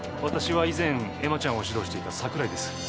私は以前恵麻ちゃんを指導していた桜井です。